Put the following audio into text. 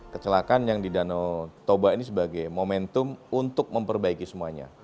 kecelakaan yang di danau toba ini sebagai momentum untuk memperbaiki semuanya